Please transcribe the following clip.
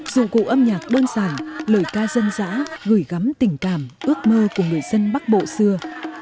dụng cụ âm nhạc đơn giản lời ca dân dã gửi gắm tình cảm ước mơ của người dân bắc bộ xưa